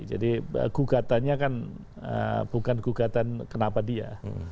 jadi gugatannya kan bukan gugatan kenapa dia